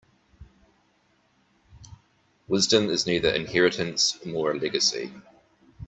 Wisdom is neither inheritance nor a legacy.